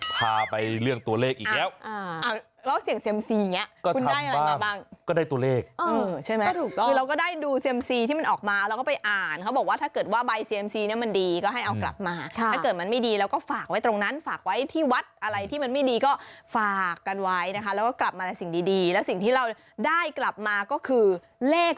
พาไปเรื่องตัวเลขอีกแล้วแล้วเสี่ยงเซียมซีอย่างนี้คุณได้อะไรมาบ้างก็ได้ตัวเลขใช่ไหมคือเราก็ได้ดูเซียมซีที่มันออกมาแล้วก็ไปอ่านเขาบอกว่าถ้าเกิดว่าใบเซียมซีเนี่ยมันดีก็ให้เอากลับมาถ้าเกิดมันไม่ดีแล้วก็ฝากไว้ตรงนั้นฝากไว้ที่วัดอะไรที่มันไม่ดีก็ฝากกันไว้นะคะแล้วก็กลับมาแต่สิ่งดีแล้วสิ่งที่เราได้กลับมาก็คือเลข